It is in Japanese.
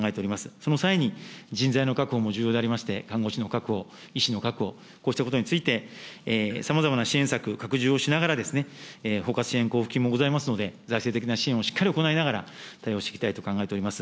その際に、人材の確保も重要でありまして、看護師の確保、医師の確保、こうしたことについて、さまざまな支援策、拡充をしながら、包括支援交付金もございますので、財政的な支援をしっかり行いながら、対応していきたいと考えております。